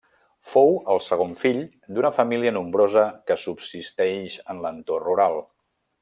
Fou el segon fill d’una família nombrosa que subsisteix en l’entorn rural.